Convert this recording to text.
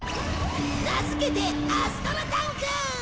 名付けてアストロタンク！